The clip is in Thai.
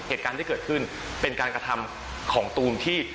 เหตุการณ์ที่เกิดขึ้นเป็นการกระทำของตูนที่